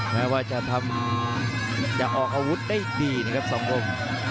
แม้ว่าจะทำจะออกอาวุธได้ดีนะครับสองคม